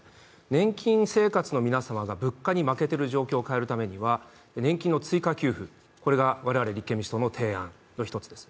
年金生活の皆様が物価に負けている状況を変えるためには、年金の追加給付が我々、立憲民主党の提案の１つです。